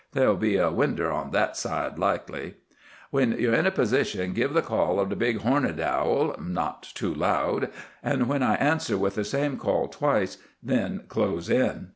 There'll be a winder on that side, likely. "When ye're in position give the call o' the big horned owl, not too loud. An' when I answer with the same call twice, then close in.